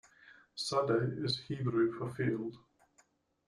Sadeh is Hebrew for "field".